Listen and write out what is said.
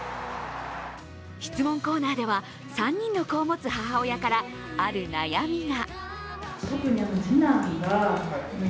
質問コーナーでは３人の子を持つ母親からある悩みが。